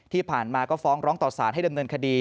ที่ผ่านมาก็ฟ้องร้องต่อสารให้ดำเนินคดี